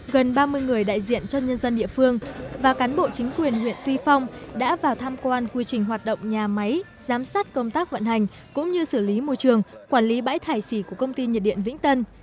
gần ba mươi người đại diện cho nhân dân địa phương và cán bộ chính quyền huyện tuy phong đã vào tham quan quy trình hoạt động nhà máy giám sát công tác vận hành cũng như xử lý môi trường quản lý bãi thải sì của công ty nhiệt điện vĩnh tân